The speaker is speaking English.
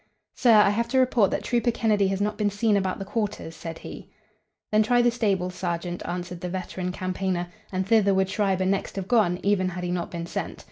"Sir, I have to report that Trooper Kennedy has not been seen about the quarters," said he. "Then try the stables, sergeant," answered the veteran campaigner, and thither would Schreiber next have gone, even had he not been sent.